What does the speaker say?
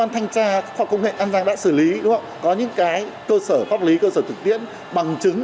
phát lý cơ sở thực tiễn bằng chứng